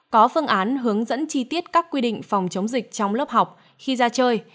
có phương án hướng dẫn chi tiết các quy định phòng chống dịch trong lớp học khi ra chơi